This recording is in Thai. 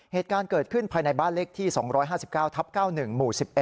เหตุการณ์เกิดขึ้นภายในบ้านเลขที่๒๕๙ทับ๙๑หมู่๑๑